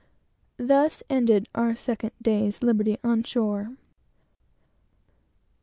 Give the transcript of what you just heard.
Thus ended our second day's liberty on shore.